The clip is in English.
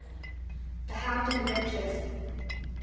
The hound in the red jersey.